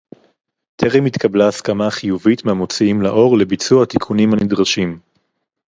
טרם התקבלה הסכמה חיובית מהמוציאים לאור לביצוע התיקונים הנדרשים